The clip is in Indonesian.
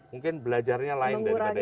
mungkin belajarnya lain daripada yang lain